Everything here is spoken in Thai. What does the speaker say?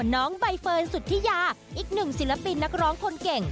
น้องใบเฟิร์นสุธิยาอีกหนึ่งศิลปินนักร้องคนเก่ง